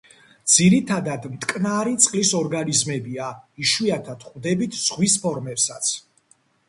ძირითადად მტკნარი წყლის ორგანიზმებია, იშვიათად ვხვდებით ზღვის ფორმებსაც.